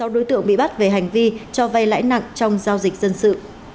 một mươi sáu đối tượng bị bắt về hành vi cho vay lãi nặng trong giao dịch dân sự